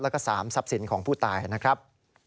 แล้วก็๓ทรัพย์สินของผู้ตายนะครับ